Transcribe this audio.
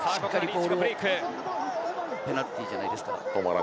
ペナルティーじゃないですか？